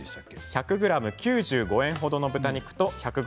１００ｇ９５円程の豚肉と１００ｇ